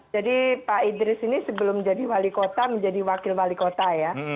jadi pak idris ini sebelum jadi wali kota menjadi wakil wali kota ya